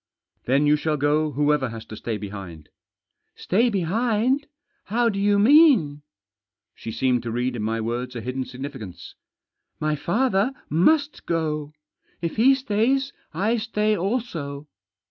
" Then you shall go whoever has to stay behind." " Stay behind — how do you mean ?" She seemed to read in my words a hidden significance. " My father must go. If he stays I stay also."